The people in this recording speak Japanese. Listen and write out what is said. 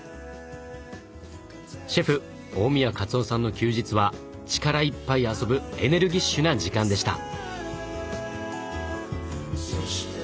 シェフ大宮勝雄さんの休日は力いっぱい遊ぶエネルギッシュな時間でした。